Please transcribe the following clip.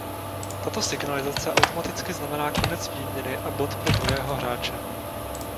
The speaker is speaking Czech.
Tato signalizace automaticky znamená konec výměny a bod pro druhého hráče.